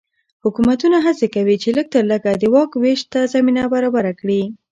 حکومتونه هڅه کوي چې لږ تر لږه د واک وېش ته زمینه برابره کړي.